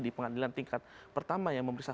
di pengadilan tingkat pertama yang memeriksa